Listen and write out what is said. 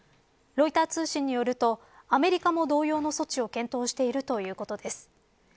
ロイター通信によるとアメリカも同様の措置を検討しているということです。